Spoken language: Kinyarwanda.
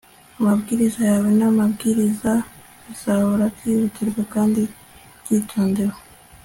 Amabwiriza yawe namabwiriza bizahora byihutirwa kandi byitondewe